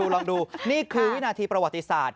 ลองดูนี่คือวินาทีประวัติศาสตร์